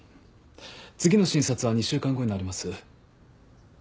次の診察は２週間後になります。